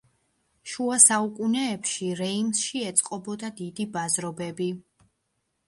შუა საუკუნეებში რეიმსში ეწყობოდა დიდი ბაზრობები.